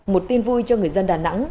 một tin vui cho người dân đà nẵng